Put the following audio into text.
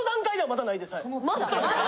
まだ？